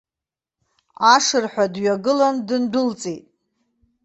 Ашырҳәа дҩагылан дындәылҵит.